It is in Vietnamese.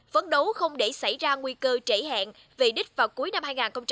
phấn đấu không để xảy ra nguy cơ trễ hẹn về đích vào cuối năm hai nghìn hai mươi